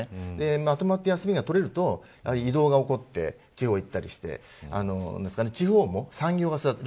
まとまった休みが取れると移動が起こって、地方に行って地方も産業が盛んになる。